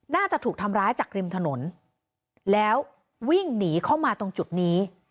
น่าจะถูกทำร้ายจากริมถนนแล้ววิ่งหนีเข้ามาตรงจุดนี้